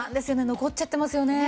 残っちゃってますよね。